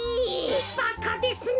バカですね。